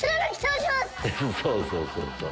そうそうそうそう。